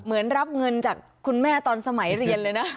เหมือนรับเงินจากคุณแม่ตอนสมัยเรียนเลยนะ